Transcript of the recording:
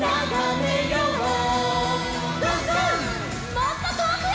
「もっととおくへ」